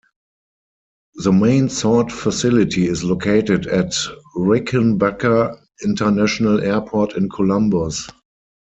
The main sort facility is located at Rickenbacker International Airport in Columbus.